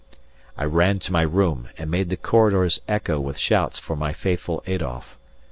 I ran to my room and made the corridors echo with shouts for my faithful Adolf.